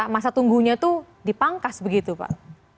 masa tunggu nya itu dipangkas begitu pak